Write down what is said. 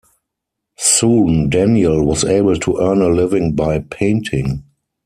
Soon Daniel was able to earn a living by painting.